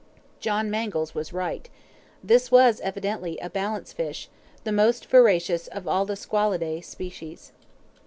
John Mangles was right. This was evidently a balance fish the most voracious of all the SQUALIDAE species.